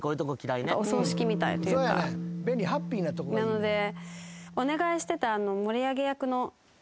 なので。